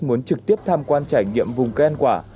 muốn trực tiếp tham quan trải nghiệm vùng cây ăn quả